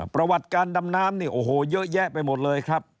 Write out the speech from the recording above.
ประวัติการดำน้ำนี่โอ้โหเยอะแยะไปหมดเลยครับ